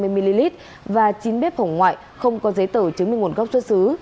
bảy trăm năm mươi ml và chín bếp hổng ngoại không có giấy tờ chứng minh nguồn gốc xuất xứ